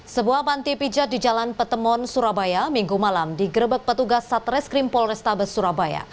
sebuah panti pijat di jalan petemon surabaya minggu malam digerebek petugas satreskrim polrestabes surabaya